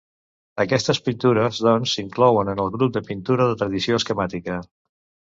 Aquestes pintures, doncs, s'inclouen en el grup de la pintura de tradició esquemàtica.